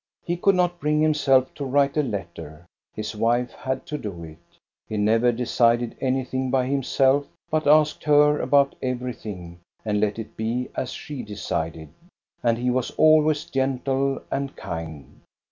He could not bring himself to write a letter; his wife had to do it. He never decided anything by himself, but asked her about everything and let it be as she decided. And he was always gentle and kind.